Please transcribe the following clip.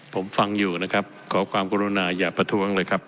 ผมฟังอยู่นะครับขอความกรุณาอย่าประท้วงเลยครับ